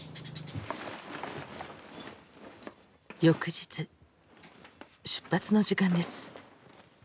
翌日出発の時間です。